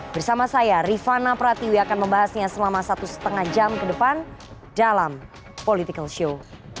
bersama saya rifana pratiwi akan membahasnya selama satu lima jam ke depan dalam political show